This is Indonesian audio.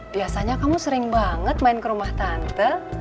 biasanya kamu sering banget main ke rumah tante